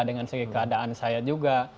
dengan segi keadaan saya juga